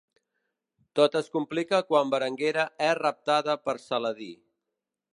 Tot es complica quan Berenguera és raptada per Saladí.